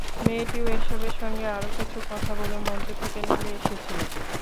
মেয়েটিও এসবের সঙ্গে আরও কিছু কথা বলে মঞ্চ থেকে নেমে এসেছিল।